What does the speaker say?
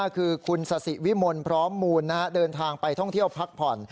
คือคุณสสิวิมลพร้อมมูลเดินทางไปท่องเที่ยวพักผ่อน